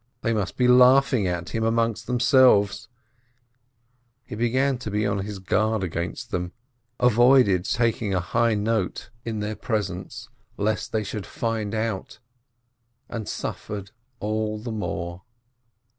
They must be laughing at him among themselves! And he began to be on his guard against them, avoided taking a high note in their LOST HIS VOICE 411 presence, lest they should find out — and suffered all the more.